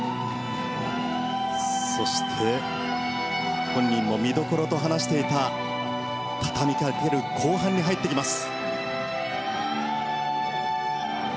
そして本人も見どころと話していた畳みかける後半に入っていきます。